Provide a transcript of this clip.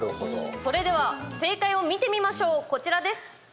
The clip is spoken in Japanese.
それでは正解を見てみましょう、こちらです。